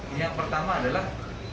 ini yang pertama adalah